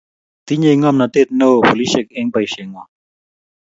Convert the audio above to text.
Tinyei ng'omnotet neoo polisiek eng' boisheng'wang'.